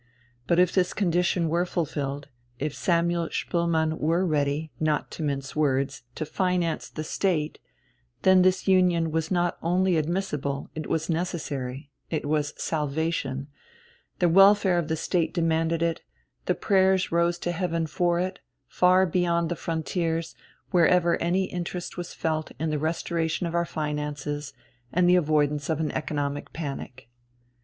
But if this condition were fulfilled, if Samuel Spoelmann were ready, not to mince words, to finance the State, then this union was not only admissible, it was necessary, it was salvation, the welfare of the State demanded it, and prayers rose to heaven for it, far beyond the frontiers, wherever any interest was felt in the restoration of our finances and the avoidance of an economic panic.